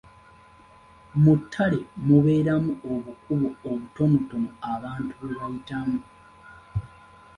Mu ttale mubeeramu obukubo obutonotono abantu bwe bayitamu.